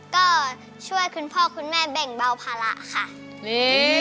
ก็ช่วยคุณพ่อคุณแม่แบ่งเบาภาระค่ะอืม